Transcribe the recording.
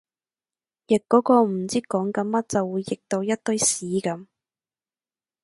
譯嗰個唔知講緊乜就會譯到一坺屎噉